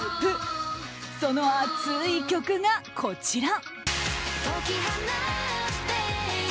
その熱い曲が、こちら。